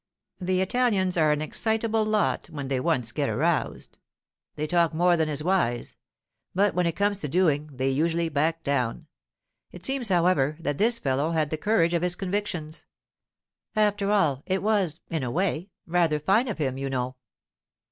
The Italians are an excitable lot when they once get aroused; they talk more than is wise—but when it comes to doing they usually back down. It seems, however, that this fellow had the courage of his convictions. After all, it was, in a way, rather fine of him, you know.